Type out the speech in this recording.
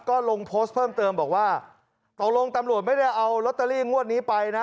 ก็ลงโพสต์เพิ่มเติมบอกว่าตกลงตำรวจไม่ได้เอาลอตเตอรี่งวดนี้ไปนะ